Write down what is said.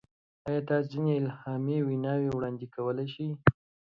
ایا تاسو ځینې الهامي وینا وړاندیز کولی شئ؟